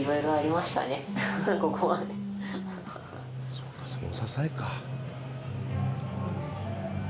そうかその支えか。